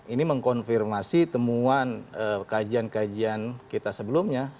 ini mengkonfirmasi temuan kajian kajian kita sebelumnya